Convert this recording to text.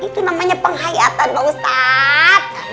itu namanya penghayatan ustadz